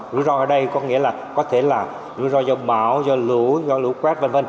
rủi ro ở đây có nghĩa là có thể là rủi ro do bão do lũ do lũ quét v v